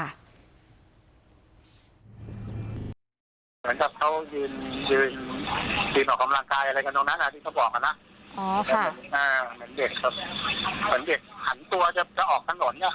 ใส่ทีตรงหน้าตรงที่จัดเหตุตั้งหน้าเดี๋ยวเขาเสียใจอะไรกันอยู่